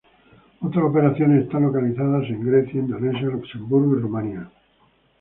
Otras operaciones están localizadas en Grecia, Indonesia, Luxemburgo y Rumania.